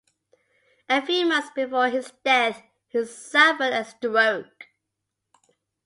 A few months before his death he suffered a stroke.